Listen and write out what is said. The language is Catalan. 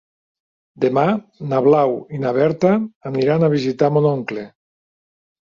Demà na Blau i na Berta aniran a visitar mon oncle.